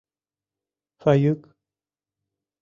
Фаюк...